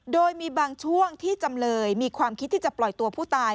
โดยมีบางช่วงที่จำเลยมีความคิดที่จะปล่อยตัวผู้ตาย